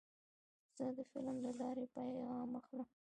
زه د فلم له لارې پیغام اخلم.